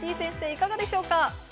いかがでしょうか？